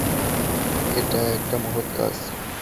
এটা একটা মহৎ কাজ।